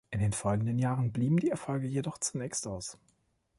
In den folgenden Jahren blieben die Erfolge jedoch zunächst aus.